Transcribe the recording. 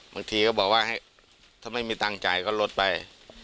บางทีก็บอกว่าถ้าไม่มีตังค์จ่ายก็ลดไป